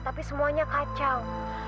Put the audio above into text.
tapi semuanya kacau